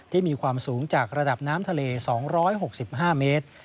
มีความสูงจากระดับน้ำทะเล๒๖๕เมตร